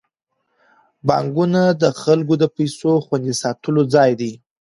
بانکونه د خلکو د پيسو خوندي ساتلو ځای دی.